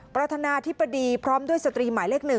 ประธานาธิบดีพร้อมด้วยสตรีหมายเลข๑